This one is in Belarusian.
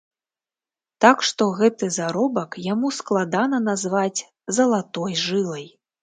Так што гэты заробак яму складана назваць залатой жылай.